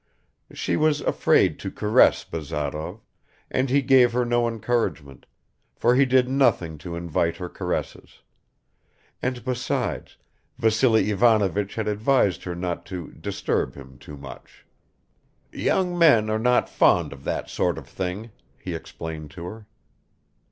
She was afraid to caress Bazarov, and he gave her no encouragement, for he did nothing to invite her caresses; and besides, Vassily Ivanovich had advised her not to "disturb" him too much. "Young men are not fond of that sort of thing," he explained to her.